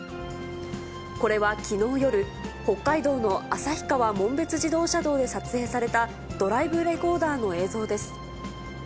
これはきのう夜、北海道の旭川紋別自動車道で撮影された、ドライブレコーダーの映像です。